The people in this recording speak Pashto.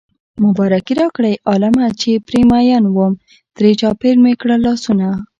مبارکي راکړئ عالمه چې پرې مين وم ترې چاپېر مې کړل لاسونه